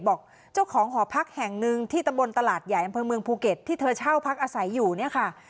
บอกเจ้าของหอพักแห่งหนึ่งที่ตำบลตลาดใหญ่อำเภอเมืองภูเก็ตที่เธอเช่าพักอาศัยอยู่เนี่ยค่ะ